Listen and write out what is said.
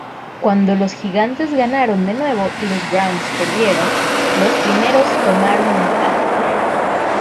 Cuando los Gigantes ganaron de nuevo y los Browns perdieron, los primeros tomaron ventaja.